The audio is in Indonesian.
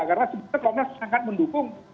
karena sebenarnya pomnas sangat mendukung